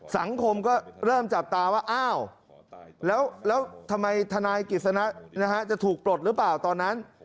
สังคมก็เริ่มจับตาว่าอ้าวแล้วทำไมทนายกิจสนะจะถูกปลดหรือเปล่าตอนนั้น